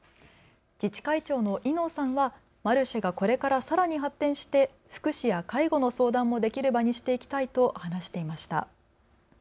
自治会長の伊能さんはマルシェがこれからさらに発展して福祉や介護の相談もできる場にしていきたいと話していました。